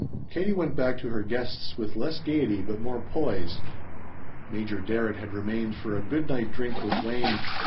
Katie went back to her guests with less gayety but more poise. Major Darrett had remained for a good night drink with Wayne.